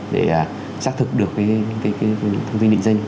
để xác thực được cái thông tin định danh